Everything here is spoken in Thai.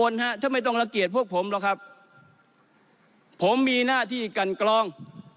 ไม่ว่าจะบุคคลที่จะมารดลำแหน่งในองค์กรอิสระ